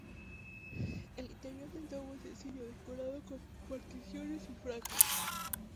El interior del domo es sencillo, decorado con particiones y franjas.